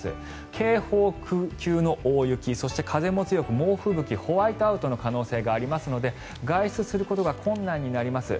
警報級の大雪そして、風も強く猛吹雪、ホワイトアウトの可能性がありますので外出することが困難になります。